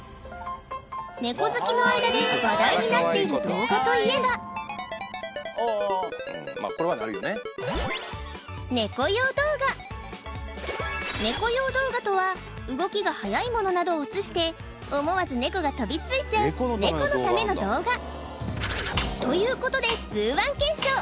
ネコ好きの間で話題になっている動画といえばネコ用動画とは動きが速いものなどを映して思わずネコが飛びついちゃうネコのための動画ということでＺＯＯ−１検証